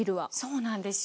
そうなんですよ。